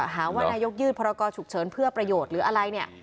หาว่านายกยืดพรกรฉุกเฉินเพื่อประโยชน์หรืออะไรเนี่ย